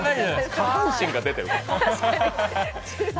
下半身が出てる。